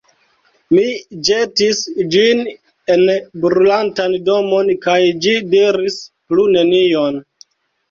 Mi ĵetis ĝin en brulantan domon, kaj ĝi diris plu nenion.